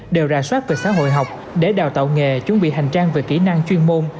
đều rà soát về xã hội học để đào tạo nghề chuẩn bị hành trang về kỹ năng chuyên môn